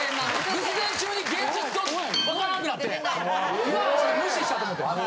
留守電中に現実と分からんくなって岩橋が無視したと思って。